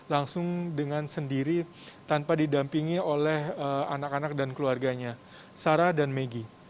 langsung dengan sendiri tanpa didampingi oleh anak anak dan keluarganya sarah dan megi